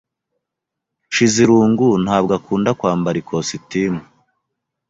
Nshizirungu ntabwo akunda kwambara ikositimu.